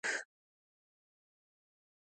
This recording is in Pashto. د پښتو شعر ډېر خوږ او مانیز دی.